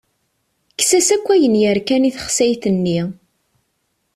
Kkes-as akk ayen yerkan i texsayt-nni.